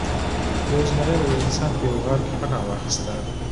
یو زمری او یو انسان په یوه غار کې پناه واخیسته.